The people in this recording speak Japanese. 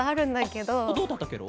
どうだったケロ？